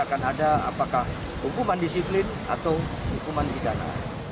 tapi akan ada apakah hukuman disiplin atau hukuman bidana